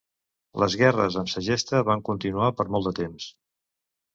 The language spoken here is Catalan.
Les guerres amb Segesta van continuar per molt de temps.